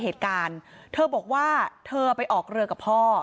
เธอบอกว่าเธอไปออกเรือกับพ่อ